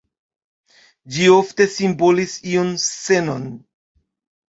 Ĝi ofte simbolis iun scenon.